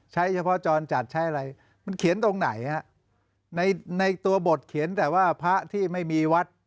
เฉพาะจรจัดใช้อะไรมันเขียนตรงไหนฮะในในตัวบทเขียนแต่ว่าพระที่ไม่มีวัด